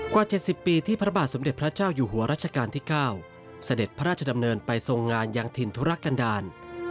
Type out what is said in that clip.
๗๐ปีที่พระบาทสมเด็จพระเจ้าอยู่หัวรัชกาลที่๙เสด็จพระราชดำเนินไปทรงงานยังถิ่นธุรกันดาล